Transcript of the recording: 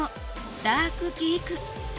ダークギーク